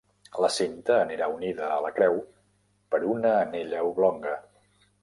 La cinta anirà unida a la creu per una anella oblonga.